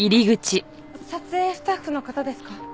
撮影スタッフの方ですか？